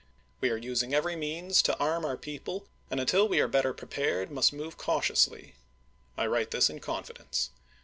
We are using every means to arm our people, and until we are better prepared must move cautiously. I write this in confidence.